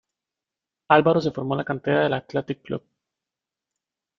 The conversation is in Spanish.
Álvaro se formó en la cantera del Athletic Club.